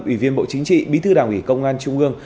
ủy viên bộ chính trị bí thư đảng ủy công an trung ương